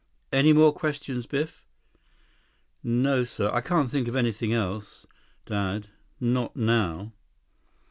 "Any more questions, Biff?" "No, sir. Can't think of anything else, Dad. Not now."